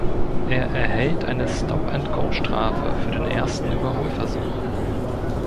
Er erhält eine Stop-and-Go-Strafe für den ersten Überholversuch.